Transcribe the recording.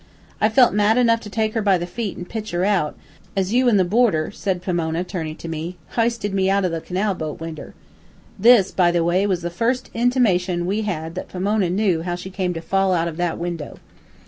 I felt mad enough to take her by the feet an' pitch her out, as you an the boarder," said Pomona, turning to me, "h'isted me out of the canal boat winder." This, by the way, was the first intimation we had had that Pomona knew how she came to fall out of that window.